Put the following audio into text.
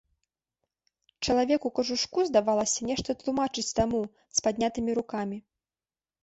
Чалавек у кажушку, здавалася, нешта тлумачыць таму, з паднятымі рукамі.